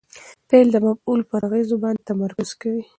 فعل د مفعول پر اغېز باندي تمرکز کوي.